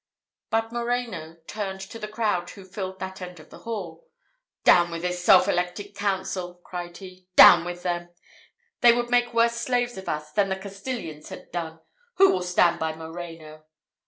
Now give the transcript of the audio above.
But Moreno turned to the crowd who filled that end of the hall. "Down with this self elected council!" cried he; "down with them! They would make worse slaves of us than the Castilians had done. Who will stand by Moreno?"